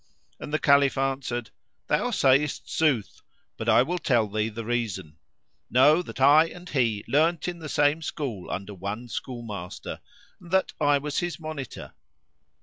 and the Caliph answered, "Thou sayest sooth, but I will tell thee the reason. Know that I and he learnt in the same school under one schoolmaster, and that I was his monitor.